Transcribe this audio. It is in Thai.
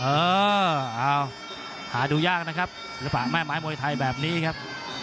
เออเอาหาดูยากนะครับศิลปะแม่ไม้มวยไทยแบบนี้ครับ